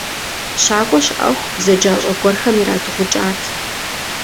Щакӏуэ щыӏэху, бзаджащӏэ гуэрхэм ирадыгъукӏат.